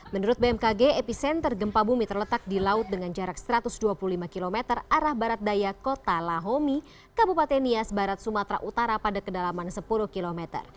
menurut bmkg epicenter gempa bumi terletak di laut dengan jarak satu ratus dua puluh lima km arah barat daya kota lahomi kabupaten nias barat sumatera utara pada kedalaman sepuluh km